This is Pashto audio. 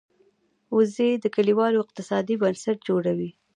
وزې د کلیوالو اقتصاد بنسټ جوړوي